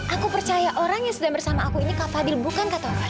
aku percaya orang yang sedang bersama aku ini kak fadli bukan kak taufan